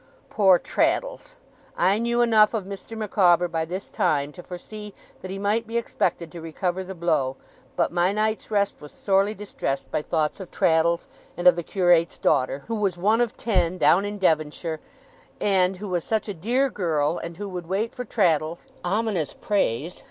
Poor Traddles! I knew enough of Mr. Micawber by this time, to foresee that he might be expected to recover the blow; but my night's rest was sorely distressed by thoughts of Traddles, and of the curate's daughter, who was one of ten, down in Devonshire, and who was such a dear girl, and who would wait for Traddles (ominous praise!)